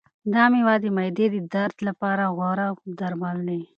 دا مېوه د معدې د درد لپاره غوره درمل دی.